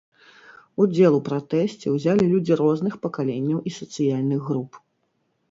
Удзел у пратэсце ўзялі людзі розных пакаленняў і сацыяльных груп.